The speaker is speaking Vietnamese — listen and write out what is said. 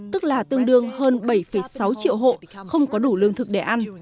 tức là tương đương hơn bảy sáu triệu hộ không có đủ lương thực để ăn